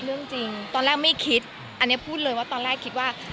เรื่องจริงตอนแรกไม่คิดอันนี้พูดเลยว่าตอนแรกคิดว่า